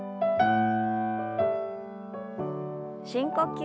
深呼吸。